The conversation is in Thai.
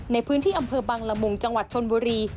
ในพื้นที่อำเภอบังละมุงจังหวัดชนบุรี